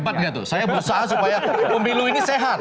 hebat nggak tuh saya berusaha supaya umbilu ini sehat